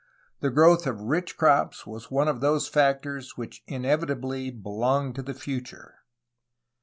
The growth of rich crops was one of those factors which inevitably belonged to the future.